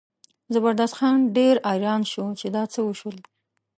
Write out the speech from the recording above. زبردست خان ډېر اریان شو چې دا څه وشول.